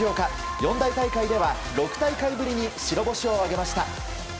四大大会では６大会ぶりに白星を挙げました。